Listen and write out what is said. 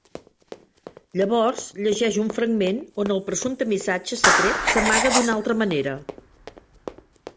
Llavors llegeix un fragment on el presumpte missatge secret s'amaga d'una altra manera.